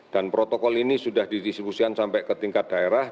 dan protokol ini sudah didistribusikan sampai ke tingkat daerah